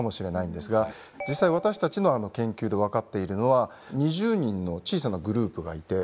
実際私たちの研究で分かっているのは２０人の小さなグループがいて。